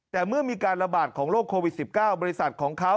แต่เมื่อมีการระบาดของโรคโควิด๑๙บริษัทของเขา